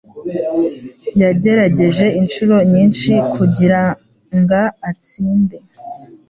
Yagerageje inshuro nyinshi kugiranga atsinde.